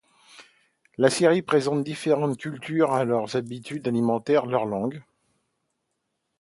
La série présente différentes cultures avec leurs habitudes alimentaires, leurs langues.